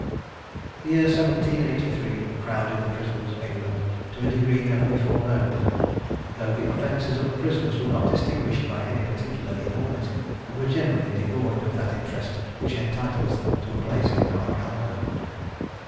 The year 1783 crowded the prisons of England to a degree never before known, though the offences of the prisoners were not distinguished by any particular enormity, and were generally devoid of that interest which entitles them to a place in our Calendar.